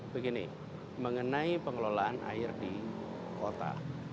begini mengenai pengelolaan air di kota